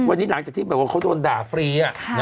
วันนี้หลังจากที่แบบว่าเขาโดนด่าฟรี